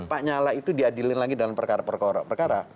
pak nyala itu diadilin lagi dalam perkara perkara